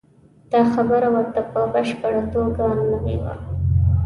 دا خبره ورته په بشپړه توګه نوې وه.